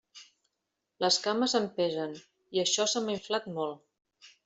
Les cames em pesen i això se m'ha inflat molt.